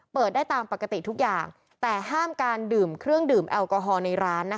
เปิดได้ตามปกติทุกอย่างแต่ห้ามการดื่มเครื่องดื่มแอลกอฮอลในร้านนะคะ